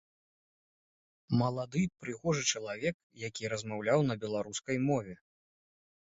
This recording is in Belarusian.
Малады, прыгожы чалавек, які размаўляў на беларускай мове.